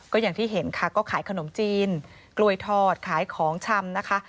ก็อย่างที่เห็นค่ะก็ขายขนมจีนกล้วยทอดขายของชำนะคะ